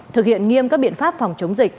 thực hiện nghiêm các biện pháp phòng chống dịch